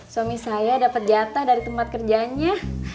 suami saya dapat jatah dari tempat kerjanya